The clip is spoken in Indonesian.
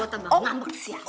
gue tambah ngambek siap